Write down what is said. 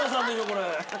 これ。